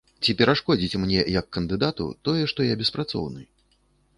Ці перашкодзіць мне як кандыдату тое, што я беспрацоўны?